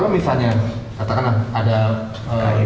kalau misalnya katakanlah ada kainnya yang